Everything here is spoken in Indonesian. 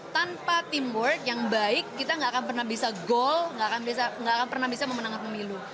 tanpa teamwork yang baik kita nggak akan pernah bisa gol nggak akan pernah bisa memenangkan pemilu